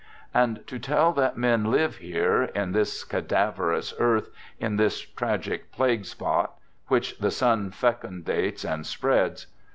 And to tell that men live here, in this cadaverous earth, in this tragic plague spot, which the sun fecundates and spreads!